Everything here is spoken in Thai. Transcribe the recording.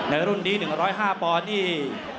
ในรุ่นนี้๑๐๕ปนี่